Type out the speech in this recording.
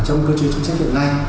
trong cơ chế chính sách hiện nay